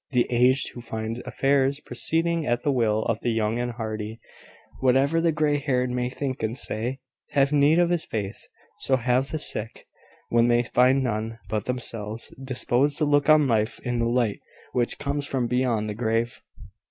The aged who find affairs proceeding at the will of the young and hardy, whatever the grey haired may think and say, have need of this faith. So have the sick, when they find none but themselves disposed to look on life in the light which comes from beyond the grave.